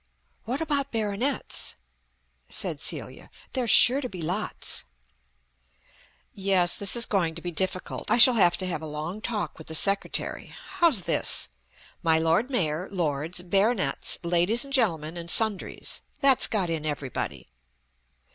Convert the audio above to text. "What about Baronets?" said Celia. "There's sure to be lots." "Yes, this is going to be difficult. I shall have to have a long talk with the Secretary ... How's this? 'My Lord Mayor, Lords, Baronets, Ladies and Gentlemen and Sundries.' That's got in everybody."